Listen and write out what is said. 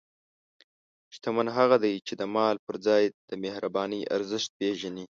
شتمن هغه دی چې د مال پر ځای د مهربانۍ ارزښت پېژني.